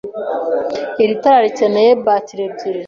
Iri tara rikeneye bateri ebyiri.